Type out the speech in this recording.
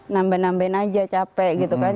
nambah nambahin aja capek gitu kan